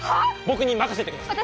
僕に任せてください